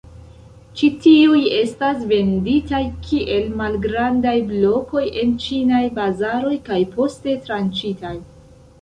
Ĉi tiuj estas venditaj kiel malgrandaj blokoj en ĉinaj bazaroj kaj poste tranĉitaj.